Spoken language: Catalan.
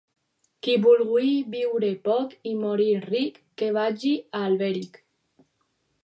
Qui vulgui viure poc i morir ric que vagi a Alberic.